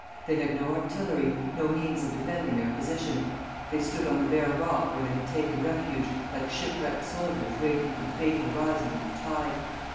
They had no artillery, no means of defending their position. They stood on the bare rock where they had taken refuge, like shipwrecked sailors waiting for the fatal rising of the tide.